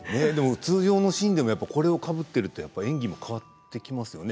通常のシーンでもこれをかぶってると変わってきますよね